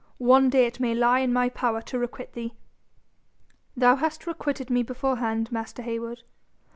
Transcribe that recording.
One day it may lie in my power to requite thee.' 'Thou hast requited me beforehand, master Heywood.